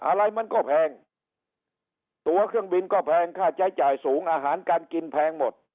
อะไรมันก็แพงตัวเครื่องบินก็แพงค่าใช้จ่ายสูงอาหารการกินแพงหมด